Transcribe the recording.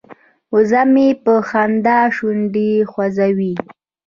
وزه مې په خندا شونډې خوځوي.